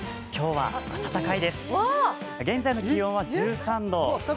今日は暖かいです、現在の気温は１３度。